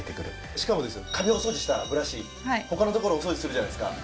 しかもですよカビをお掃除したブラシ他の所お掃除するじゃないですか。